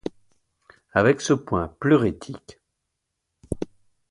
Avec ce point pleurétique